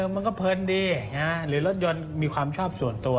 มันก็เพลินดีหรือรถยนต์มีความชอบส่วนตัว